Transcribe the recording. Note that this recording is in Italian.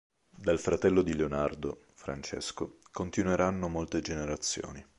Dal fratello di Leonardo, Francesco, continueranno molte generazioni.